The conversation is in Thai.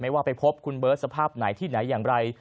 ว่าไปพบคุณเบิร์ตสภาพไหนที่ไหนอย่างไร